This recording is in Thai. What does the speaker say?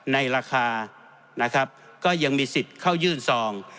ในราคานะครับก็ยังมีสิทธิ์เข้ายื่นซอง